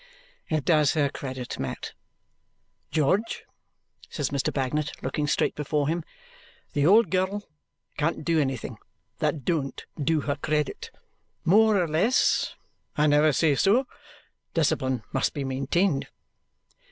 "It does her credit, Mat!" "George," says Mr. Bagnet, looking straight before him, "the old girl can't do anything that don't do her credit. More or less. I never say so. Discipline must be maintained."